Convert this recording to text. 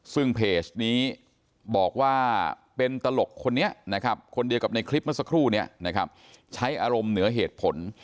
ซึ่งเพจนี้บอกว่าเป็นตลกคนนี้นะครับคนเดียวกับในคลิปเมื่อสักครู่นี้นะครับใช้อารมณ์เหนือเหตุผล